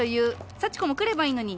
サチコも来ればいいのに！